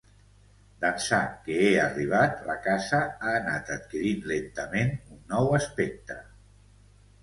D'ençà que he arribat, la casa ha anat adquirint lentament un nou aspecte.